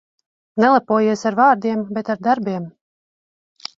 Nelepojies ar vārdiem, bet ar darbiem.